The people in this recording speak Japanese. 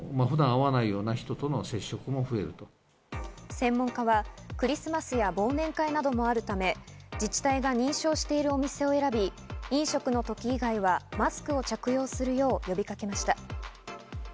専門家はクリスマスや忘年会などもあるため、自治体が認証しているお店を選び飲食の時以外はマスクを着用するよう呼びかけました。